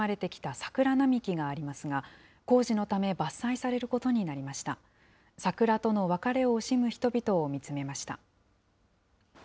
桜との別れを惜しむ人々を見つめました。